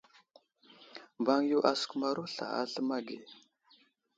Mbaŋ yo asəkumaro sla a zləma ge.